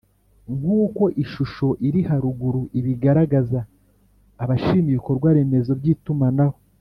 Nk uko ishusho iri haruguru ibigaragaza abashima ibikorwaremezo by itumanaho